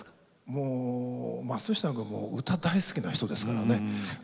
もう松下君も歌大好きな人ですからね。